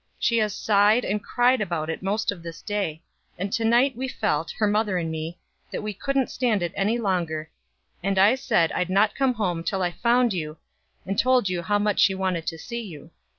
She has sighed and cried about it most of this day, and to night we felt, her mother and me, that we couldn't stand it any longer, and I said I'd not come home till I found you and told you how much she wanted to see you.